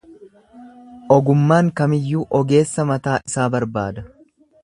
Ogummaan kamiyyuu ogeessa mataa isaa barbaada.